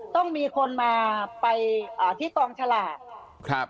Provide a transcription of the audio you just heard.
ต้องมีคนมาไปที่ตรงฉลาก